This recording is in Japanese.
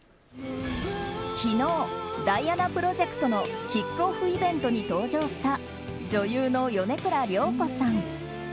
昨日、ダイアナプロジェクトのキックオフイベントに登場した女優の米倉涼子さん。